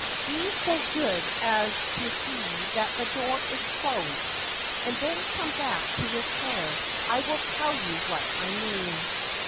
Be so good as to see that the door is closed, and then come back to your chair. I will tell you what I mean.'